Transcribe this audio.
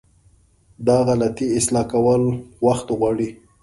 د غلطي اصلاح کول وخت غواړي.